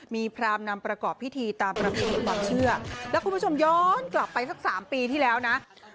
มีพรามนำประกอบพิธีตามประเพณีความเชื่อแล้วคุณผู้ชมย้อนกลับไปสัก๓ปีที่แล้วนะ